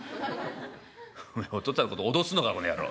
「おめえお父っつぁんのこと脅すのかこの野郎。